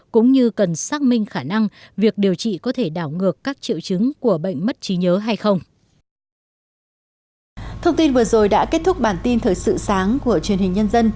cũng như cần xác minh khả năng việc điều trị có thể đảo ngược các triệu chứng của bệnh mất trí nhớ hay không